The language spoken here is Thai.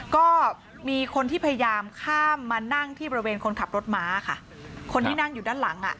ก็มีคนที่พยายามข้ามมานั่งที่บริเวณคนขับรถม้าค่ะคนที่นั่งอยู่ด้านหลังอ่ะ